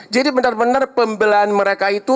jadi benar benar pembelahan mereka itu